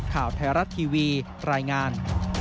ข่าวไทยรัฐทีวีรายงาน